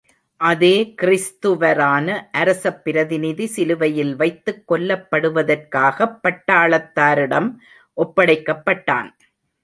அதே கிறிஸ்துவரான அரசப் பிரதிநிதி சிலுவையில் வைத்துக் கொல்லப்படுவதற்காகப் பட்டாளத்தாரிடம் ஒப்படைக்கப்பட்டான்.